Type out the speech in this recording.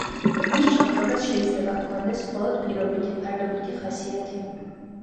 მის ჩაქრობას შეიძლება ჰქონდეს მხოლოდ პირობითი, ფარდობითი ხასიათი.